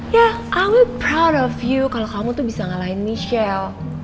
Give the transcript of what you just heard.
ya i will proud of you kalo kamu tuh bisa ngalahin michelle